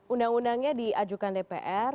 undang undangnya diajukan dpr